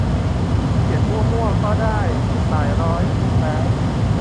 เขียนมั่วมั่วนี่ก็ได้หลายร้อยชุดแล้ว